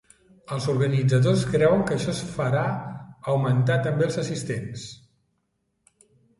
Els organitzadors creuen que això farà augmentar també els assistents.